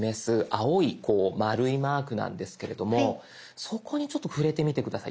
青いこう丸いマークなんですけれどもそこにちょっと触れてみて下さい。